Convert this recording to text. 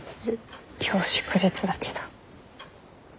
今日祝日だけど。